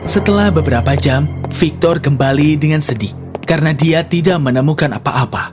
setelah beberapa jam victor kembali dengan sedih karena dia tidak menemukan apa apa